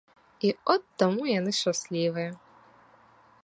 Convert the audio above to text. І от таму яны шчаслівыя.